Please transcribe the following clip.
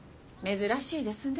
珍しいですね